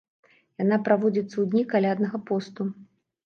Яна праводзіцца ў дні каляднага посту.